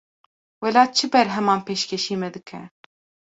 Welat çi berheman pêşkêşî me dike?